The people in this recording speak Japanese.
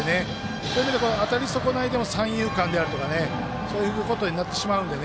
そういう意味で当たり損ないでの三遊間であるとかそういうことになってしまうので。